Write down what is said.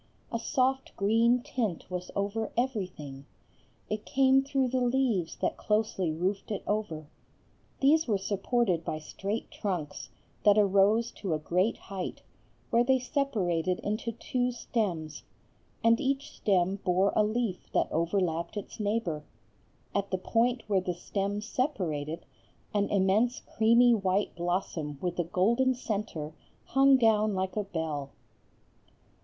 A soft green tint was over everything. It came through the leaves that closely roofed it over. These were supported by straight trunks, that arose to a great height, where they separated into two stems; and each stem bore a leaf that overlapped its neighbor; at the point where the stems separated, an immense creamy white blossom with a golden centre hung down like a bell.